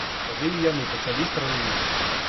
Тады і яны пачалі страляніну.